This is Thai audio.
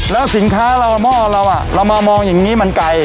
แล้วสินค้าเราหม้อเราเรามามองอย่างนี้มันไกล